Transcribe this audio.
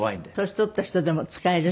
年取った人でも使える。